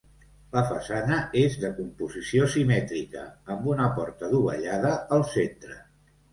La façana és de composició simètrica, amb una porta dovellada al centre.